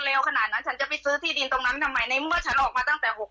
ขนาดนั้นฉันจะไปซื้อที่ดินตรงนั้นทำไมในเมื่อฉันออกมาตั้งแต่หก